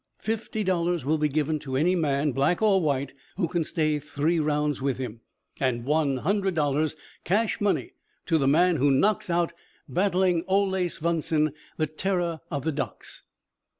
Fifty dollars will be given to any man, black or white, who can stay three rounds with him, and one hundred dollars cash money to the man who knocks out Battling Ole Swenson, the Terror of the Docks."